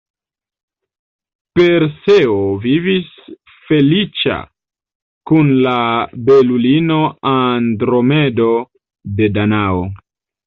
Perseo vivis feliĉa kun la belulino Andromedo kaj Danao.